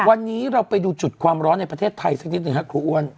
วันนี้เราไปดูจุดความร้อนในประเทศไทยสักนิดหนึ่งครับครูอ้วน